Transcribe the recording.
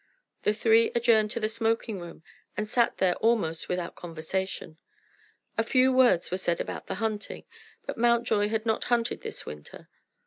The three adjourned to the smoking room, and sat there almost without conversation. A few words were said about the hunting, but Mountjoy had not hunted this winter.